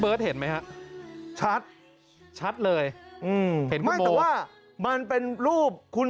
เบิร์ทเห็นไหมครับชัดชัดเลยอืมไม่แต่ว่ามันเป็นรูปคุณ